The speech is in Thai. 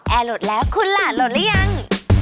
แอร์โหลดแล้วคุณล่ะโหลดแล้วยัง